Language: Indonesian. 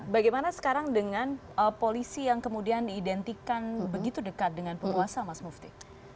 bagaimana sekarang dengan polisi yang kemudian diidentifikasikan dengan pengawasan mas mufti